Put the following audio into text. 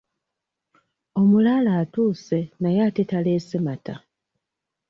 Omulaalo atuuse naye ate taleese mata.